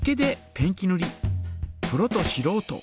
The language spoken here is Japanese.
プロとしろうと